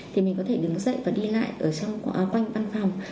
thì mình có thể đứng dậy và đi lại quanh văn phòng